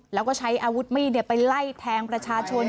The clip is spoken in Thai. แล้วก็ใช้อาวุธมีดไปไล่แทงประชาชน